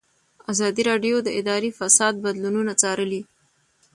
ازادي راډیو د اداري فساد بدلونونه څارلي.